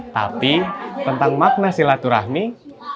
tapi tentang makna silaturahmi dan teknologi tentang ketebalan